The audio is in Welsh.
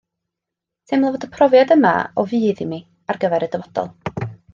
Teimlaf fod y profiad yma o fudd i mi ar gyfer y dyfodol